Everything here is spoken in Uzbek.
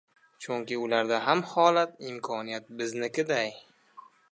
Chunki ularda ham holat, imkoniyat biznikiday.